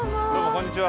こんにちは。